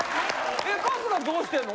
え春日どうしてんの？